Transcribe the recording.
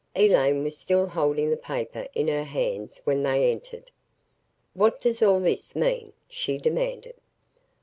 Elaine was still holding the paper in her hands when they entered. "What does all this mean?" she demanded.